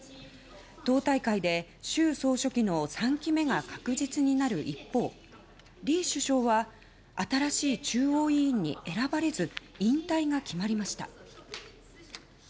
党大会で習総書記の３期目が確実になる一方李首相は新しい中央委員に選ばれず、引退が決まりました。